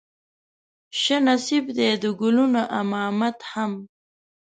شه نصيب دې د ګلونو امامت هم